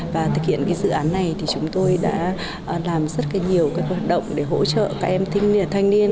và thực hiện dự án này chúng tôi đã làm rất nhiều hoạt động để hỗ trợ các em thanh niên